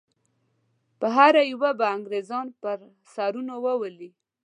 په هره یوه به انګریزان پر سرونو وولي.